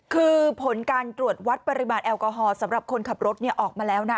คือผลการตรวจวัดปริมาณแอลกอฮอลสำหรับคนขับรถออกมาแล้วนะ